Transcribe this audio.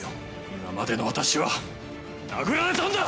今までの私は殴られ損だ！